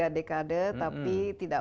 tiga dekade tapi tidak